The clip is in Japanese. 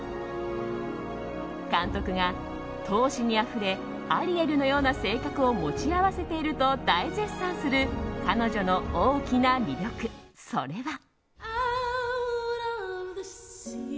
監督が、闘志にあふれアリエルのような性格を持ち合わせていると大絶賛する彼女の大きな魅力、それは。